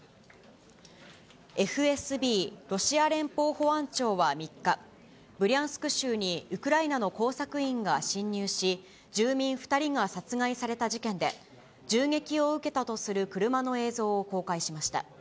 ＦＳＢ・ロシア連邦保安庁は３日、ブリャンスク州にウクライナの工作員が侵入し、住民２人が殺害された事件で、銃撃を受けたとする車の映像を公開しました。